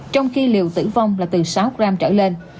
trong khi liều tử vong là từ sáu gram trở lên